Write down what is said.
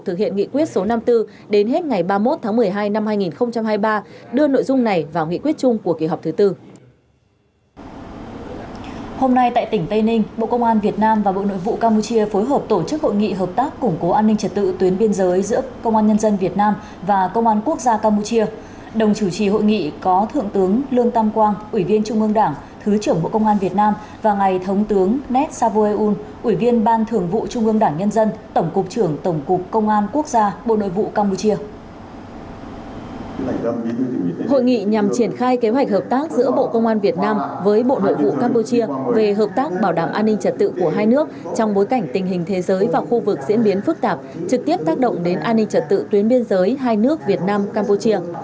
hội nghị nhằm triển khai kế hoạch hợp tác giữa bộ công an việt nam với bộ nội vụ campuchia về hợp tác bảo đảm an ninh trật tự của hai nước trong bối cảnh tình hình thế giới và khu vực diễn biến phức tạp trực tiếp tác động đến an ninh trật tự tuyến biên giới hai nước việt nam campuchia